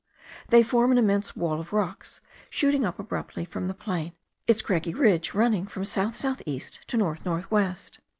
They form an immense wall of rocks, shooting up abruptly from the plain, its craggy ridge of running from south south east to north north west.